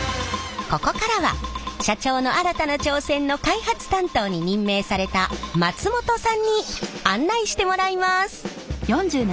ここからは社長の新たな挑戦の開発担当に任命された松本さんに案内してもらいます。